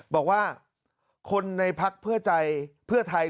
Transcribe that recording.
บอกว่าคนในภักดิ์เพื่อใจเพื่อไทย